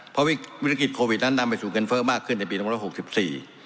เพราะวิธีโควิดนั้นนำไปสู่เงินเฟ้อมากขึ้นในปี๑๙๖๔